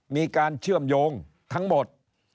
มีการเชื่อมโยงทั้งหมด